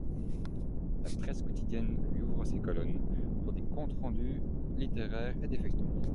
La presse quotidienne lui ouvre ses colonnes pour des comptes-rendus littéraires et des feuilletons.